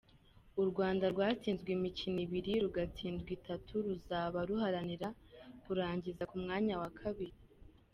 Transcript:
U Rwanda rwatsinzwe imikino ibiri rugatsindwa itatu, ruzaba ruharanira kurangiza ku mwanya wa kabiri.